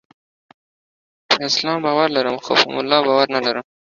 په اسلام باور لرم، خو په مولا باور نلرم.